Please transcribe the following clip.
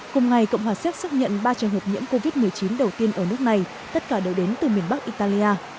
cùng ngày cộng hòa xét xác nhận ba trường hợp nhiễm covid một mươi chín đầu tiên ở nước này tất cả đều đến từ miền bắc italia